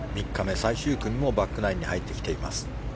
最終組もバックナインに入ってきています。